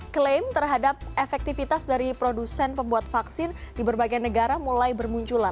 klaim terhadap efektivitas dari produsen pembuat vaksin di berbagai negara mulai bermunculan